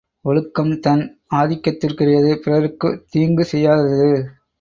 ஒழுக்கம் தன் ஆக்கத்திற்குரியது பிறருக்குத் தீங்கு செய்யாதது.